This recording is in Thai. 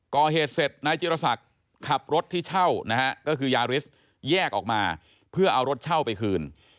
ก่อเหตุเสร็จนายจิรษักขับรถที่เช่านะฮะก็คือยาริสแยกออกมาเพื่อเอารถเช่าไปคืน